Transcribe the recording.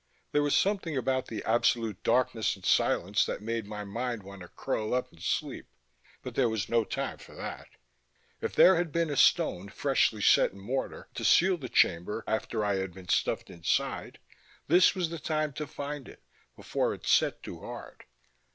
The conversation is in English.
There was something about the absolute darkness and silence that made my mind want to curl up and sleep, but there was no time for that. If there had been a stone freshly set in mortar to seal the chamber after I had been stuffed inside, this was the time to find it before it set too hard.